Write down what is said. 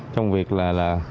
trong việc là